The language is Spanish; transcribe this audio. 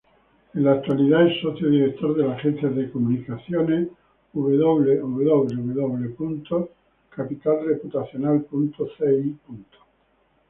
En la actualidad es Socio Director de la agencia de comunicaciones www.capitalreputacional.cl.